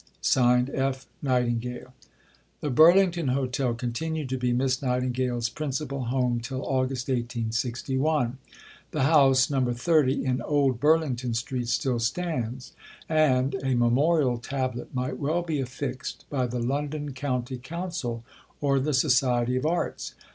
Signed, F. Nightingale." The Burlington Hotel continued to be Miss Nightingale's principal home till August 1861. The house, No. 30 in Old Burlington Street, still stands, and a memorial tablet might well be affixed by the London County Council or the Society of Arts.